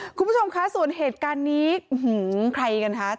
ค่ะคุณผู้ชมค่ะส่วนเหตุการณ์นี้อื้อหือใครกันคะ